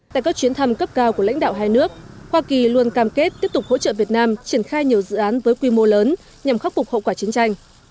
tại các chuyến thăm cấp cao của lãnh đạo hai nước hoa kỳ luôn cam kết tiếp tục hỗ trợ việt nam triển khai nhiều dự án với quy mô lớn nhằm khắc phục hậu quả chiến tranh